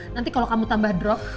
nanti kalau kamu tambah draft